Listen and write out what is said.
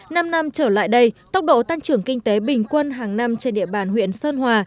năm năm trở lại đây tốc độ tăng trưởng kinh tế bình quân hàng năm trên địa bàn huyện sơn hòa